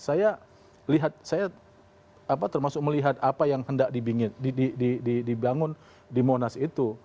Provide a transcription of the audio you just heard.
saya lihat saya termasuk melihat apa yang hendak dibangun di monas itu